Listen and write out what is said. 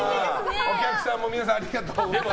お客さんも皆さん、ありがとうございました。